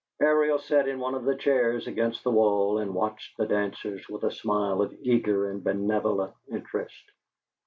Ariel sat in one of the chairs against the wall and watched the dancers with a smile of eager and benevolent interest.